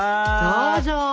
どうぞ。